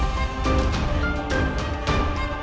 siapa pergi ngengin